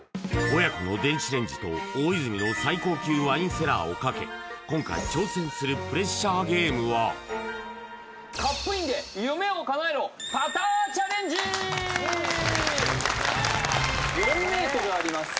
親子の電子レンジと大泉の最高級ワインセラーをかけ今回挑戦する４ｍあります